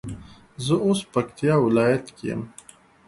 زه اوس پکتيا ولايت کي يم